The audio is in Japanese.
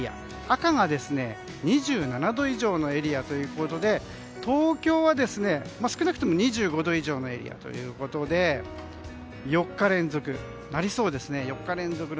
赤が２７度以上のエリアということで東京は少なくとも２５度以上のエリアということで４日連続の夏日になりそうですね。